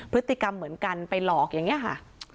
พฤติกรรมเหมือนกันไปหลอกอย่างนี้ค่ะ